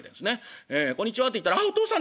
「こんにちは」って言ったら「ああお父さんですか？